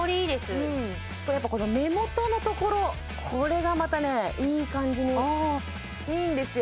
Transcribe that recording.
これこれやっぱ目元のところこれがまたねいい感じにいいんですよ